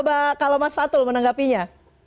coba kalau mas fatul menanggapinya